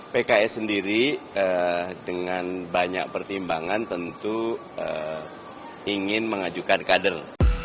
pks sendiri dengan banyak pertimbangan tentu ingin mengajukan kader